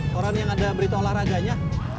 koran yang ada berita olahraganya